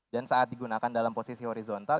dan saat digunakan dalam posisi horizontal